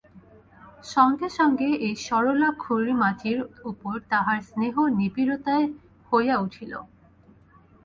সঙ্গে সঙ্গে এই সরলা খুড়িমাটির উপর তাহার স্নেহ নিবিড়তার হইয়া উঠিল।